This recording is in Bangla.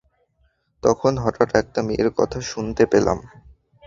তখন হঠাৎ একটি মেয়ের কথা শুনতে পেলাম।